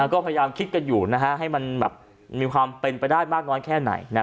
ก็พยายามคิดกันอยู่ให้มันมีความเป็นไปได้มากน้อยแค่ไหน